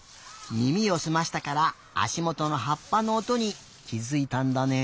みみをすましたからあしもとのはっぱのおとにきづいたんだね。